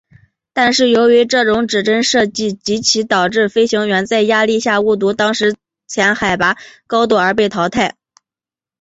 但是由于这种指针设计极易导致飞行员在压力下误读当前海拔高度而被淘汰。